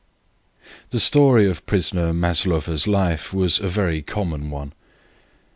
The story of the prisoner Maslova's life was a very common one.